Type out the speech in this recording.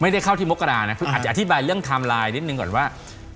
ไม่ได้เข้าที่มกรานะคืออาจจะอธิบายเรื่องไทม์ไลน์นิดหนึ่งก่อนว่า